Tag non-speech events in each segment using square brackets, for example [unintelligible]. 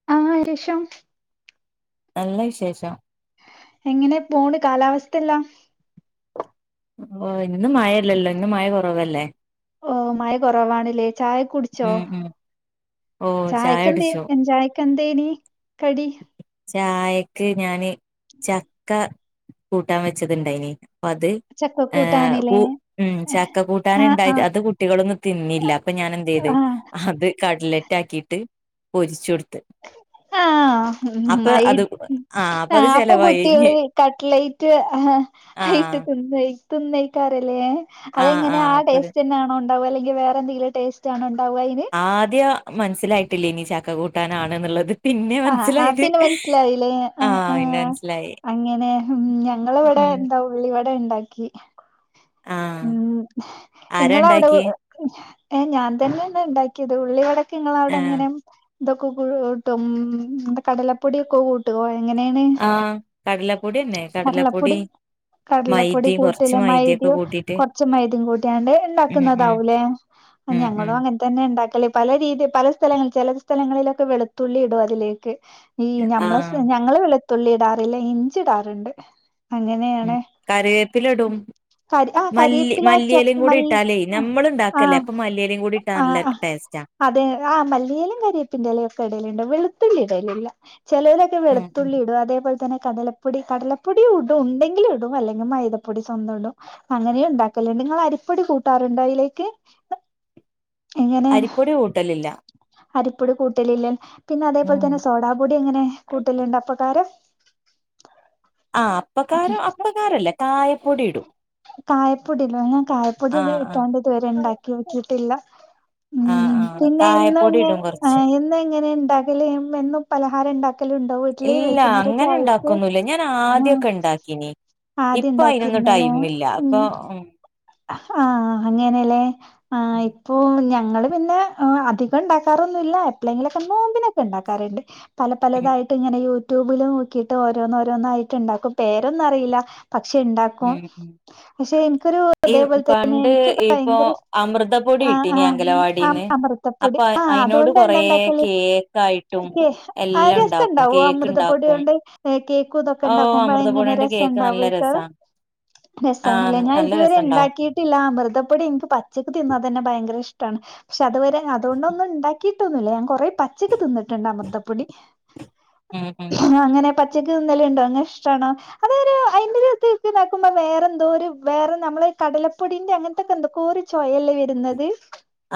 [unintelligible] നല്ല വിശേഷം എങ്ങനെ പോണ് കാലാവസ്ഥല്ലാം? ഓഹ് ഇന്ന് മഴല്ലല്ലോ ഇന്ന് മഴ കുറവല്ലേ ഓഹ് മഴ കുറവാണില്ലേ ചായ കുടിച്ചോ ഉം ഉം ഓ ചായ ചായക്കെന്തേയ് കുടിച്ചു ന് ചായ ക്കെന്തേയ്നീ കടി ചായക്ക് ഞാന് ചക്ക കൂട്ടാൻ വെച്ചതുണ്ടായിനി അപ്പൊ അത് ഏഹ് ചക്കക്കൂട്ടാന്ല്ലേ? ഉ ഉം ചക്ക കൂട്ടാന് ആ ആ ണ്ടായത് അത് കു കുട്ടികളൊന്നും തിന്നില്ല അപ്പൊ ഞാൻ എന്ത് ചെയ്ത് ആ അത് കടല ട്ട് പൊരിച്കൊടുത്തു ആ ഉം മയി ആഹ് അപ്പൊ കുട്ടികള് കട്ട്ലൈറ്റ് ആഹ് ആയിട്ട് ആഹ് തിന്നോയ് തിന്നേക്കാരല്ലേ ആഹ് അതെങ്ങനെ ആഹ് ആ അപ്പത് ടേസ്റ്റ്ന്നെണോ? ഉണ്ടാവാ അല്ലെങ്കി വേറെന്തെങ്കിലും ടെസ്റ്റ്ആണണ്ടാവുകയ് ല് ആദ്യം മനസ്സിലായിട്ടില്ലേനി ചക്ക കൂട്ടാനാാണ്ന്നുള്ളത് ആഹ് ആഹ് പിന്നെ മനസിലായില്ലേ ആഹ് ആ പിന്നെ മനസ്സിലായി അങ്ങനെ ഞങ്ങളവിടെ ഉം എന്താ ഉളളി വട ഇണ്ടാക്കി. ആഹ് ഉം ആരാ നിങ്ങളവിടെ ഇണ്ടാക്കിയേ ഏ ഞാൻ തന്നെയിന്ന് ഉണ്ടാക്കിയത് ഉള്ളി വട നിങ്ങള് ആഹ് അവിടെങ്ങനെ ഇതൊക്കെ കൂ കൂട്ടും കടലപ്പൊടിയൊക്കെ കൂട്ട് ട്ടുവോ എങ്ങനെയാണ് ആഹ് കടലപ്പൊടിയന്നെ കടലപ്പൊടി കടലപ്പൊടി മൈദയും കൊറച്ച് കൂട്ടില്ല മൈദയൊക്കെ മൈദയോ കൂട്ടിട്ട് കൊറച്ചു മൈദേം കൂട്ടിയാണ്ട് ഉം ഉം ഉണ്ടാക്കുന്നതാവലേ ഉം ഉം ഞങ്ങളും അങ്ങനെ തന്നെ ഉണ്ടാക്കലേ പല രീതി പല സ്ഥലങ്ങളിൽ ചില സ്ഥലങ്ങളിലൊക്കെ വെളുത്തുള്ളി ഇടും അതിലേക്ക് ഈ ആഹ് ഞ്മ്മ- ഞങ്ങള് വെളുതുള്ളി ഇടാറില്ല ഇഞ്ചി ഇടാറുണ്ട്. ഉം അങ്ങനെയാണ് കറിവേപ്പില ഇടും കട് ആ മല്ലി കരിപ്പില മല്ലിയിലയും ചപ്പ് കൂടി മല്ലി ഇട്ടാലേ നമ്മള് ഇണ്ടാക്കല്ലേ ആഹ് അപ്പൊ മല്ലിയിലയും കൂടി ഇട്ടാ ആ നല്ല ആഹ് ടേസ്റ്റാ അതെ ആ മല്ലിയിലും കരിപ്പിന്റെലേം ഒക്കെ ഇടിലുണ്ട് വെളുത്തുള്ളി ഇടിലില്ല ചിലരെ ക്കെ ഉം ഉം വെളുത്തുള്ളി ഇടും അതേപോല തന്നെ കടലപ്പൊടി കടലപ്പൊടി ഉടും ഉണ്ടെങ്കിലും ഇടും അല്ലെങ്കിൽ മൈദപ്പൊടി സ്വന്തം ഇടും അ അങ്ങനെയ ഉണ്ടാക്കല്ണ്ട് നിങ്ങൾ അരിപ്പൊടി കൂട്ടാറുണ്ടോ ഇയിലേക്ക് അരിപ്പൊടി കൂട്ടലില്ല അരിപ്പൊടി കൂട്ടലില്ല പിന്നെപ അതേപോലെ ഉം തന്നെ സോഡാ പൊടി എങ്ങനെ കൂട്ടലുണ്ടോ അപ്പകാരം ആഹ് അപ്പക്കാരം അപ്പക്കാരല്ലേ കായപ്പൊടി ഇടും കായപ്പൊടി ഇടോ ഞാൻ കായപ്പൊടി ആഹ് ആഹ് ഇട്ടണ്ട് ഇതുവരെ ഉണ്ടാക്കി നോക്കിട്ടില്ല ഉ ആഹ് ആഹ് പിന്നെ ഇന്ന് കായപ്പൊടി ഇടും പിന്നെ കൊറച്ച് എന്നും ഇങ്ങനെ ഇണ്ടാ എന്നും പലഹാരം ഉണ്ടാക്കലും ഉണ്ടാവീട്ടില് ര്‌ ഇല്ല വൈകുന്നേരക്കെ അങ്ങനെ ച്ചായക്ക് ഇണ്ടാക്കൊന്നുല്ല ഞാൻ മ് ആദ്യൊക്കെ ഇണ്ടാക്കീനി ഇപ്പൊ ആദ്യണ്ടാ അയിനൊന്നും ടൈമില്ല അപ്പൊ ഉം [unintelligible] ആഹ് അങ്ങനെല്ലേ ആ പ്പൊ ഞങ്ങള് പിന്നെ അധികം ഉണ്ടാക്കാറൊന്നുല്ല എപ്പോഴെങ്കിലൊക്കെ നോമ്പിനൊക്കെ ഉണ്ടാക്കാറുണ്ട്. പല ഉം പലതായി ട്ട് ഇങ്ങനെ യൂട്യൂബിൽ നോക്കിട്ട് ഓരോന്ന് ഓരോന്നായിട്ട് ഉണ്ടാക്കും പേരൊന്നും അറിയില്ല പക്ഷെണ്ടാ ഉം പക്ഷെ എനിക്കൊരു ഈ അതേപോലെ തന്നെ പണ്ട് എനിക്ക് ഇപ്പൊ ഭയങ്കര ഇഷ് അമൃതപ്പൊടി ആ കിട്ടീനി ആ അംഗലവാടീന്ന് അമൃ തപ്പൊടി അപ്പൊ ആ അയിനോട് അതുകൊണ്ട് കൊറേ എന്താ ഉണ്ടാക്കല് കേക്കായിട്ടും ക്കേ ആ എല്ലാം രസ ഉണ്ടാക്കും ഉണ്ടാവോ കേക്ക് അമൃതപ്പൊടി ഇത് ഉണ്ടാക്കും കൊണ്ട് കേക്ക് ഇതൊക്കെ ഓ ഉണ്ടാക്കുമ്പോ എങ്ങനെയാ അമൃതപ്പൊടിയോണ്ട് രസം കേക്ക് നല്ല ഉണ്ടാവു ക്കാത്. രസാ രസാണല്ലേ ആഹ് ഞാൻ നല്ല ഇതുവരെ രസണ്ടാവും ഇണ്ടാക്കിയിട്ടില്ല അമൃതപ്പൊടി എനിക്ക് പച്ചക്ക് തിന്നാ തന്നെ ഭയങ്കര ഇഷ്ടാണ്. ക്ഷെ അതുവരെ അതുകൊണ്ടൊന്നും ഉണ്ടാക്കിയിട്ടൊന്നുല്ല ഞാൻ കുറെ പച്ചക്ക് തിന്നിട്ടുണ്ട് അമൃതപ്പൊടി ഉം ഉ അങ്ങനെ പച്ചക്ക് തിന്നല് ഉണ്ടോ അങ്ങനെ ഇഷ്ടാണോ അതെ അയിന്റെ രു ടേസ്റ്റ് മ്പ വേറെ എന്തോ ഒരു വേറെ നമ്മള് കടലപ്പൊടീന്റെ അങ്ങനത്തൊക്കെ എന്തൊക്കെ ഒരു ചോയല്ലേ വരുന്നത്.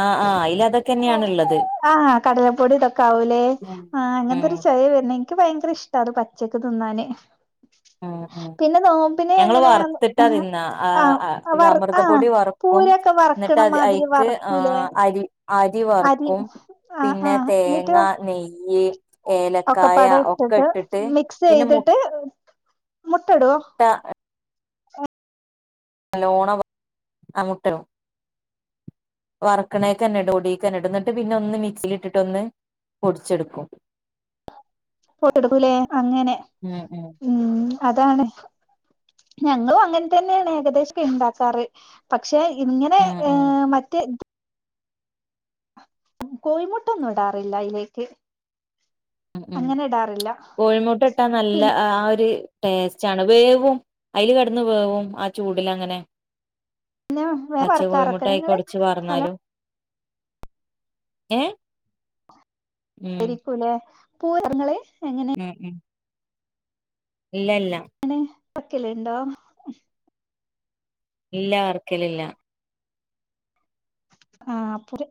ആ ആ അതിൽ അതൊക്കെന്നെയാണുള്ളത്. ആഹ് കടലപ്പൊടി ഇതൊക്കെ ആവൂലേ ആ അങ്ങനത്തൊരു ഉം ചൊവയാ വരുന്നെ ക്ക് ബയങ്കര ഇഷ്ടാ അത് പച്ചക്ക് തിന്നാന് പിന്നെ നോമ്പിനെ ക്ക് വറത്തിട്ടാ തിന്നാ വർ ആഹ് അമൃതപൊടി വറക്കും പൂരൊക്കെ എന്നിട്ട് വറക്കണ മാതിരി അയിക്ക് ആ വറക്കൂലേ അരി അരി വറക്കും ആഹ് പിന്നെ ആഹ് തേങ്ങ എന്നിട്ട് നെയ്യ് ഏലക്കായ ഒക്കെ ഇട്ടിട്ട് മിക്സ് പിന്നെ മു ചെയ്തിട്ട് മുട്ടടുവോ ഏ നല്ലോണം അ മുട്ടടും വറക്കണേക്കെ എന്നെടു ഓടിക്ക ഇടു എന്നിട്ട് പിന്നെ ഒന്ന് മിക്സില് ഇട്ടിട്ട് ഒന്ന് പൊടിച്ചെടുക്കും. [unintelligible] എടുക്കൂലേ അങ്ങനെ ഉം അതാണ് ഞങ്ങളും അങ്ങനെ തന്നെയാണ് ഏകദേശം ഇണ്ടാക്കാറ് പക്ഷെ ഇങ്ങനെ ഉം അ ഉം മറ്റ് കോഴിമുട്ടൊന്നും ഇടാറില്ല അയിലേക്ക് ഉം അങ്ങനെ ഇടാറില്ല കോഴിമുട്ട ഇട്ടാ നല്ല ആ ഒരു ടേസ്റ്റ് ആണ് വേവും അയി കിടന്ന് വേവും ആ ചൂടില് അങ്ങനെ പിന്നെ വേറെ പച്ച കോഴിമുട്ട വറക്കാറൊക്കെ ആയി നിങ്ങള് കൊഴിച്ച് വ ഹലോ തന്നാലും ഏ രിക്കൂലെ പോയോ ങ്ങള് എങ്ങനെ ഉം ഉം ഇല്ല ല്ല അങ്ങനെ ഒക്കെല്ലേ ണ്ടാവാ ഇല്ല വർക്കലില്ല ആ അപ്പോര്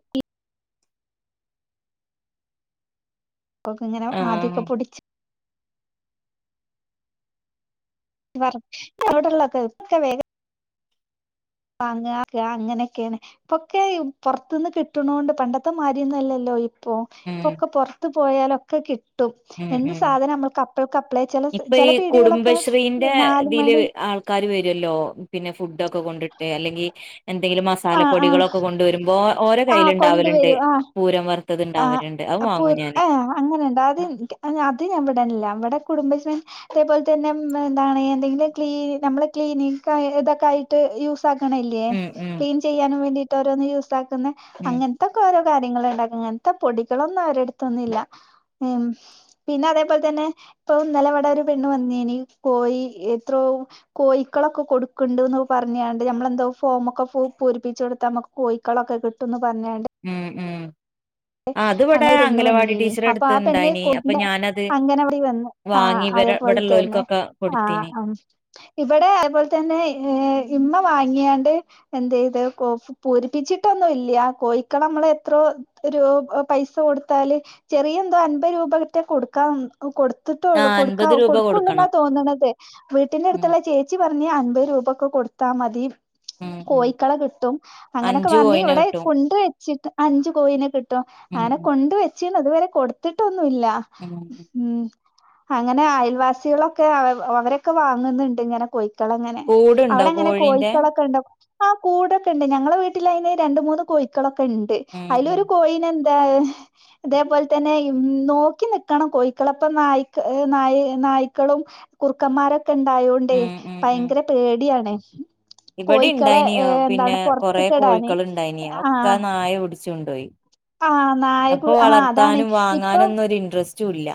ഇപ്പൊക്കെങ്ങനെ ആഹ് ആദ്യക്കെ പൊടിച്ച് വർ അവിടെള്ളൊക്കെ ഒക്കെ വേരും വാങ്യാ ആ അങ്ങനെക്കെയാണ് ഇപ്പൊക്കെ പൊർത്തുന്ന് കിട്ടണൊണ്ട് പണ്ടത്തെ മാരിയൊന്നുംല്ലല്ലോ ഇ ഇപ്പോ ഉം ഇപ്പൊക്കെ പൊർത്ത് പോയാലൊക്കെ കി ട്ടും ഉം എന്ത് ഉം സാധനം നമ്മൾക്ക് അപ്ലെക്ക് അപ്ലെ ചെല ഇപ്പൊ ചെല ഈ പീടികളൊക്കെ നാല്മണി ക്കാര് വരുല്ലോ പിന്നെ ഫുഡ് ഒക്കെ കൊണ്ടിട്ട് അല്ലെങ്കി എന്തെങ്കിലും മസ് ആ ആ സാലപ്പൊടികളൊക്കെ കൊണ്ടുവരുമ്പോ ഓരെ ആ കയ്യില്ണ്ടാവല്ണ്ട് കൊണ്ടുവരും പൂരം വർ ആ അപ്പോ ആ അങ്ങനെണ്ട് അത് ൻക്കെ അതിന് ഞാവടല്ല ഇവിടെ കുടുംബഷേ അതേപോലെ തന്നെ എന്താണ് എന്തെങ്കിലും ക്ലീ നമ്മളെ ക്ലീനിക്കാ ഇതൊക്കെ ആയിട്ട് യൂസ് ഫാക്കണില്ല്യെ ഉം ഉം ക്ലീൻ ചെയ്യാനും വേണ്ടീട്ട് ഓരോന്ന് യൂസാക്കുന്നെ ഉം ഇത്തൊക്കെ ഓരോ കാര്യങ്ങള്ണ്ടാക്കും ഇങ്ങനത്തെ പൊടികളൊന്നും അവരൊട് ത്തൊന്നും ല്ലാ പിന്നെ അതേപോലെ തന്നെ ഇപ്പൊന്നല വട ഒരു പെണ്ണ് വന്നീനി കോയി എത്രോ കോയിക്കളൊക്കെ കൊടുക്ക്ണ്ട്ന്ന് പറഞ്ഞാണ്ട് നമ്മളെന്തൊ ഫോമൊക്കെ പൂരിപ്പിച്ചെടുത്താ നമക് കോയിക്കളൊക്കെ കിട്ടുംന്ന് പറഞ്ഞാണ്ട് ഉം ഉം ആഹ് അത് ഇവിടെ അങ്ങനെ ഒര് പെണ്ണ് അംഗലവാടി വന്നീനി ടീച്ചറെ അപ്പൊ ആ അടുത്ത് പെണ്ണ് ഇണ്ടായിനി അപ്പൊ കോയിന്റെ ഞാനത് അങ്ങനെ വടെ വന്ന് ആ വാങ്ങി ഇവരെ അതേപോലെ തെന്നെ ഇവിടെള്ളോൽക്കൊക്കെ ആ കൊടുത്തീനി അഹ് ഇവിടെ അതേപോൽ തന്നെ ഇമ്മ വാങ്ങിയാണ്ട് എന്തെ യ്ത് കോ പൂരിപ്പിച്ചിട്ടൊന്നും ഇല്ല കോഴക്കളെ നമ്മള് എത്രോ ഒരോ പൈസ കൊടുത്താല് ചെറിയെന്തോ അൻബെ രൂപേറ്റെ കൊടുക്കാൻ കൊടുത്തിട്ടോള്ളൂ ആഹ് അൻപത് കൊടുക്കവും രൂപ കൊടുക്കുള്ളൂ എന്നാ കൊടുക്കണം തോന്നണതേ വീട്ടിന്റെ ഉം അടുത്തുള്ള ചേച്ചി ച്ചി പറഞ്ഞെ അൻപത് രൂപെക്കെ കൊടുത്താ മതി ഉം ഉം കോഴിക്കളെ കിട്ടും അങ്ങനെയൊക്കെ അഞ്ച് പറഞ്ഞ് കോയിന് ഇവിടെ കിട്ടും കൊണ്ട് വെച്ചിട്ട് അഞ്ചു കോഴീനെ കട്ടും ഉം ആനെ ഉം കൊണ്ട് വെച്ചീണ് ഇതുവരെ കൊടുത്തിട്ടൊന്നുല്ല ഉം ഉം അങ്ങനെ അയൽവാസിളൊക്കെ അവരൊക്കെ വാങ്ങ്ന്നുണ്ട് ഇങ്ങനെ കോയ് ക്കളങ്ങനെ കൂടുണ്ടോ അവിടെങ്ങെനെ കോഴീന്റെ കോഴിക്കളൊക്കെ ണ്ടൊ ആ കൂടൊക്കെണ്ട് ഞങ്ങളെ വീട്ടില് അയ്ന് രണ്ട് മൂന്ന് കോഴിക്കളൊക്കെണ്ട് ഉം അയ്ലൊരു കൊയിനെന്താ അതേപോലെ തന്നെ ഇൻ നോക്കി നിക്കണം കോഴിക്കെളപ്പം നായിക് നായി നായ്ക്കളും കുറുക്കന്മാരൊക്കെ ണ്ടായോണ്ടേ ഉം ഭയങ്കര പേടിയാണ് കോയിക്കളെ ഇവിടെംണ്ടായിനി യോ ഏഹ് എന്താണ് പിന്നെ കൊറെ പൊറത്ത്ക്കിടാന് കോഴ്ക്കള്ണ്ടായീനി ഒക്കെ ആഹ് നായ പിടിച്ചൊണ്ടോയി ആഹ് നായകു അപ്പൊ ആഹ് അതാണ് വളർത്താനും വാങ്ങാനും ഇപ്പം ഒന്നൊരു ഇന്ട്രസ്റ്റും ല്ല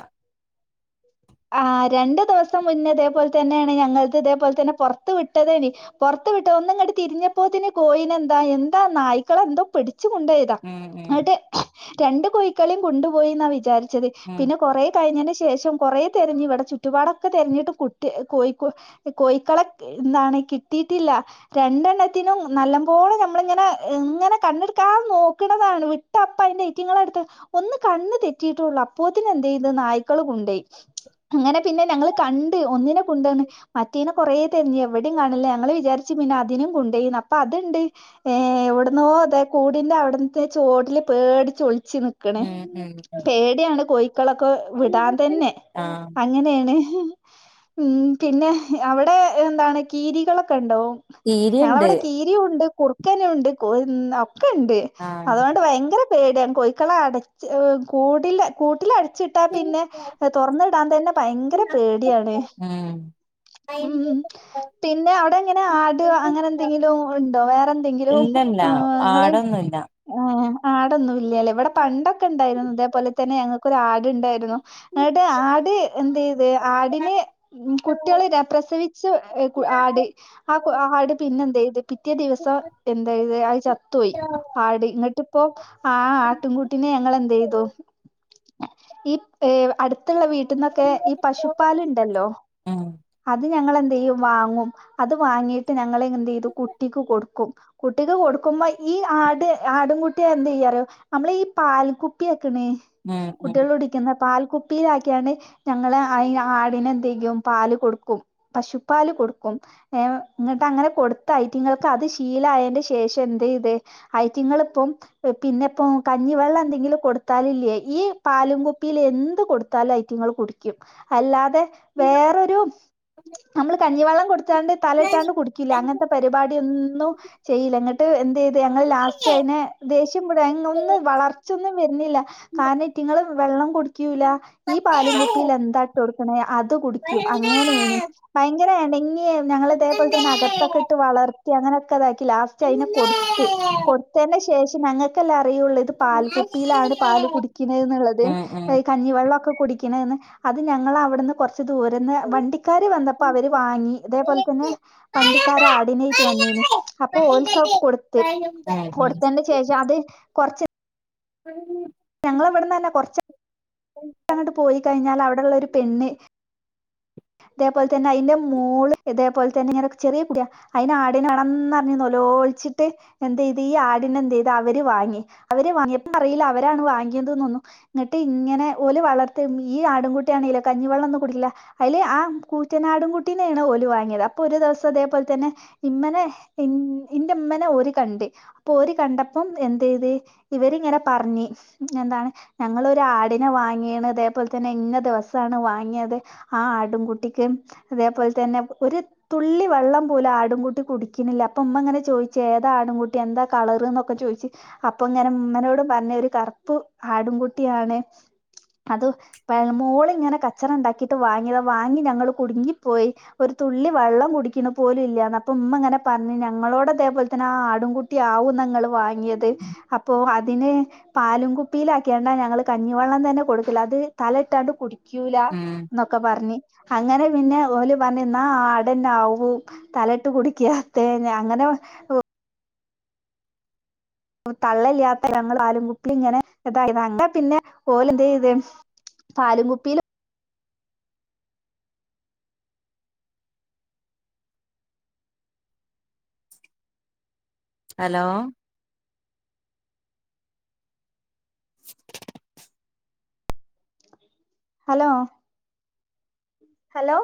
ആ രണ്ടു ദിവസം മുന്നേ ഇതേപോൽ തന്നെയാണ് ഞങ്ങൾത് ഇതേപോൽ തന്നെ പുറത്ത് വിട്ടതേനി പുറത്തു വിട്ട് ഒന്ന്ങ്ങട്ട് തിരിഞ്ഞപ്പോത്തിന് കോയിനെ എന്താ എന്താ നായ്ക്കളെന്തോ പിടിച്ച് കൊണ്ടായി ഉം ക്ക ഉം ന്ന്ട്ട് രണ്ട് കോയിക്കളേം കൊണ്ടു പോയിന്നാ വിചാരിച്ചത് ഉം പിന്നെ കൊറേ കഴിഞ്ഞേന് ശേഷം കുറെ തെരഞ്ഞി ഇവിടെ ചുറ്റുപാടൊക്കെ തെരഞ്ഞിട്ടും കുട്ടി കോയി കോഴിക്കളെ എന്താണ് കിട്ടീട്ടില്ല രണ്ടെണ്ണത്തിനും നല്ലംപോലെ ഞമ്മളിങ്ങനെ ഇങ്ങനെ കണ്ണെടുക്കാതെ നോക്കണതാണ് വി ട്ടപ്പ അയ്ന്റെ ഐറ്റങ്ങളെടുത്ത് ഒന്ന് കണ്ണ് തെറ്റിയിട്ടുള്ളൂ അപ്പോത്തിനെന്തൈയ്ത് നായ്ക്കള് കൊണ്ടേയി അങ്ങനെ പിന്നെ ഞങ്ങള് കണ്ട് ഒന്നിനെ കൊണ്ടണ് മറ്റേനെ കൊറേ തെര്ഞ് എവിടെം കാണാനില്ല ഞങ്ങള് വിചാരിച്ചു പിന്നെ അതിനെം കൊണ്ടൊയി അപ്പൊ അത്ണ്ട് ഏ എവിടന്നോ അതെ കൂടിന്റെ അവിടത്തെ ചോട്ടില് പേടിച്ചൊളിച്ച്ണ് ക്കണ് ഉം ഉം പേടിയാണ് കോഴിക്കളൊക്കെ വിടാൻ ഉം തന്നെ ആഹ് അങ്ങനെയാണ് ഉ പിന്നെ അവിടെ എന്താണ് കീരികളൊക്കെ ഉണ്ടൊ കീരിയുണ്ട് ഞങ്ങളവിടെ കീരിയുണ്ട് കുറുക്കാനുണ്ട് കോയിന്ന ഒകെണ്ട് ആഹ് അതുകൊണ്ട് ഭയങ്കര പേടിയൻ കോഴള അടച് കൂ കൂട്ടില അടച്ചിട്ടാ പിന്നെ തൊർന്ന് ടൻ തന്നെ ഭയങ്കര പേടിയാണ് ഉം ഉം പിന്നെ അവിടെ എങ്ങനെ ആട് അങ്ങനെ എന്തെങ്കിലും ഉണ്ടോ വേറെ എന്തെങ്കിലും ഇല്ലല്ല ഹലോ ആ് നിങ്ങളെ ആടൊന്നുല്ല ആ ആടൊന്നും ഇല്ലല്ലേ ഇവിടെ പണ്ടൊക്കെ ഉണ്ടായിരുന്നു ഇതേപോലെ തന്നെ ഞങ്ങക്ക് കൊരടുണ്ടായിരുന്നു അ ട്ട് എന്തയ്ത് ആടിന് ഉ കുട്ടികളെ പ്രസവിച്ച ഉം ആട് ആ ആട് പിന്നെ എന്ത ചെയ്ത് പിറ്റേ ഉം ദിവസം എന്തായത് ആഴചത്തുപോയി ആട് ഇങ്ങിട്ടിപ്പോ ആ ആട്ടൻകൂട്ടിനെ ഞങ്ങ എന്തയ്തു ഈ ഏ അടുത്തുള്ള വീട്ടിൽന്നൊക്കെ ഈ പശുപാലുണ്ടല്ലോ അത് ഞങ്ങെന്തയ്യും വാങ്ങും അത് വാങ്ങിട്ട് ഞങ്ങള് എന്തയ്തു കുട്ടിക്ക് കൊടുക്കും കുട്ടിക്ക് കൊടുക്കുമ്പോ ഈ ആട് ആടുംകുട്ടിയ എന്തയ്യുറിയോ അമ്മള ഈ പാൽക്കുപ്പിയ ആക്കണേ ഉം ഉം കുട്ടികള് കുടിക്കുന്ന പാൽക്കുപ്പിയില ആക്കിയാണ് ഞങ്ങള് ആയിൻ ആടിന എന്തെയും പാല് കൊടുക്കും പശുപാല് കൊടുക്കും ഏ ഇങ്ങട്ട് അങ്ങനെ കൊടുത്ത ഐറ്റങ്ങൾക്ക് അത് ശീലായതിന്റെ ശേഷം എന്തയിത് അയ്റ്റിങ്ങള് ഇപ്പം പിന്നെ ഇപ്പോ കഞ്ഞിവെള്ളം എന്തെങ്കിലും കൊടുത്താല ഇല്ല്യേ ഈ പാലും കുപ്പിയിൽ എന്ത്കൊടുത്താലും അയ് റ്റിങ്ങൾ കുടിക്കും അല്ലാതെ വേറൊരു നമ്മള് കഞ്ഞിവെള്ളം കൊടുത്താണ്ട് തല ഇട്ടാണ്ട് കുടിക്കില്ല അങ്ങനത്തെ പരിപാടിയൊന്നും ചെയ്യില്ല ഇങ്ങിട്ട് എന്ത് ചെയ്ത് ഞങ്ങൾ ലാസ്റ്റ് അയിെ ദേഷ്യം വിട ഒന്ന് വളർച്ചൊന്നും വരുന്നില്ല കാരണം ഇറ്റിങ്ങള് വെള്ളം കുടിക്കൂല്ല ഈ പാലും കുൊപ്പിൽ എന്താ ട്ട്കൊട്കനെ അത് കുടിക്കും അങ്ങനെനി ഭയങ്കര ഇണങ്ങിയ ഞങ്ങൾ ഉം ഇതേപോലെ തന്നെ അകത്തൊക്കെ ഇട്ട് വളർത്തി അങ്ങനൊക്കെ ഇതാക്കി ലാസ്റ്റ് അതിനെ കൊടുത്ത് കൊടു കൊടുത്തന് ശേഷം ഞങ്ങൾക്കല്ലെ അറിയുള്ളൂ ഇത് പാൽ കുപ്പിയിലാണ് പാല് കുടികിണേ എന്നുള്ളത് [unintelligible] കഞ്ഞി വെള്ളൊക്കെ കുടികിണെ ന്ന് അത് ഞങ്ങളവ്ട്ന്ന് കൊർ ദൂരന്ന് വണ്ടിക്കാര് വന്നപ്പോ അവര് വാങ്ങി അതേപോലെ തന്നെ പണ്ടിക്കാര ആടിനേറ്റ് വന്നേനി അപ്പൊ ഓലിക്കക്ക് കൊടുത്ത് ആഹ കൊടുത്തനു ശേഷം അത് കോറച്ച് ഉ ഞങ്ങളെ ഇവിടന്നന്നേ കോറച് അങ്ങട്ട് പോയി കഴിഞ്ഞാ അവടെള്ള ഒരു പെണ്ണ് തേപോലെ തന്നെ അയിന്റെ മോള് തേപലെന്നെ ഇങ്ങനൊ ചെറിയ കുട്ട്യ അയിന് ആടിനനാണം ന്ന് റഞ് നോലോ ളിച്ചീട്ട് എന്ത്യ്ത് ഈ ആടിനെ എന്ത്യ്ത് അവര് വാങ്ങി അവര് വാങ്ങിപ്പ അറിയില്ല അവരാണ് വാങ്ങിയതന്നു ന്നിട്ട് ഇങ്ങനെഓല് വളർത്ത ഈ ആടുംകുട്ടിയാണെേലോ കഞ്ഞിവെള്ളോന്നും കുടിക്കില്ല അയില് ആ കൂറ്റനാടുംകുട്ടീനേണ് ഓല് വാങ്ങിത് അപ്പൊ ഒരു ദേസം തേപോലെ തന്നെ ഇമ്മനെ ഇന്റെമ്മനെ ഒര് കണ്ട് അപ്പൊ ഒര് കണ്ടപ്പം എന്ത്യ്ത് ഇവരിങ്ങനെ പറഞ്ഞ് എന്താണ് ഞങ്ങള് ഒരു ആടിനെ വാങ്ങിണ് തേപോലെ തന്നെ ഇന്ന ദേവസാണ് വാങ്ങിയത് ആ ആടുംകുട്ടിക്കും തേപോലെ തന്നെ ഒരു തുള്ളി വെള്ളം പോലും ആടുംകൂട്ടി കുടിക്കിനില്ല അപ്പൊ ഉമ്മങ്ങനെ ചോയിച്ച് എതാ ആടുംകൂട്ടി എന്താ കളറ് ന്നൊക്കെ ചോയിച്ച് അപ്പൊ ങ്ങാനേ മ്മനോട് പറഞ്ഞ് ഒരു കറുപ്പ് ആടുംകുട്ടിയാണ് അത് മോള് ങ്ങനെ കച്ചറ ണ്ടാക്കിട്ട് വാങ്ങിയതാ വാങ്ങി ഞങ്ങള് കുടിങ്ങിപ്പോയി ഒരു തുള്ളി വെള്ളം കുടിക്കണ പോലും ഇല്ല അപ്പമ്മ ഇങ്ങനെ പറഞ് ഞ്ഞാങ്ങളോടേ തേപോലെ തന്നെ ആ ആടും കുട്ടി ട്ടിയാവും ഇങ്ങള് വാങ്ങിത് അപ്പോ അതിന് പാലും കുപ്പിയിലാക്കിയാണ്ടാ ഞങ്ങള് കഞ്ഞിവെള്ളം തന്നെ കൊടുക്കല് അത് തല ഇട്ടാണ്ട് കുടിക്കൂല ന്നൊക്കെ പറഞ്ഞു അങ്ങനെ പിന്നെ ഓല് പറഞ്ഞുന്നാ ആടന്നാവും തലട്ട് കുടിക്ക ത്തേ അങ്ങനെ തള്ളല്ലാത്തേല്ലേ ഞങ്ങള് പാലും കുപ്പി ഇങ്ങനെ ഇത അങ്ങ പിന്നെ ഓലും എന്ത്യ്ത് പാലും കുപ്പില് ഹലോ ഹലോ ഹലോ